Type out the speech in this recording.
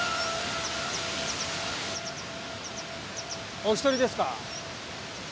お一人ですか？